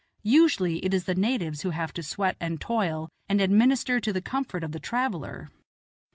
Usually it is the natives who have to sweat and toil and administer to the comfort of the traveller.